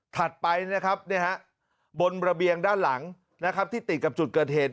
ถัดไปบนระเบียงด้านหลังที่ติดกับจุดเกิดเหตุ